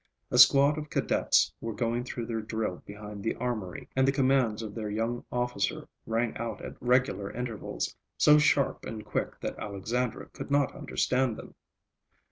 A squad of cadets were going through their drill behind the armory, and the commands of their young officer rang out at regular intervals, so sharp and quick that Alexandra could not understand them.